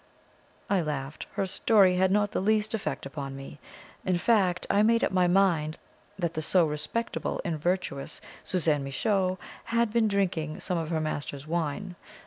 I laughed. Her story had not the least effect upon me. In fact, I made up my mind that the so respectable and virtuous Suzanne Michot had been drinking some of her master's wine.